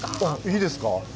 あっいいですか？